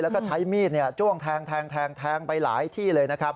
แล้วก็ใช้มีดจ้วงแทงแทงไปหลายที่เลยนะครับ